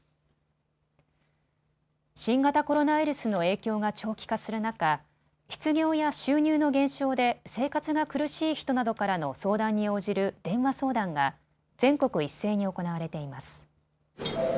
新型コロナウイルスの影響が長期化する中、失業や収入の減少で生活が苦しい人などからの相談に応じる電話相談が全国一斉に行われています。